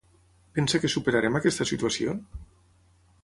Pensa que superarem aquesta situació?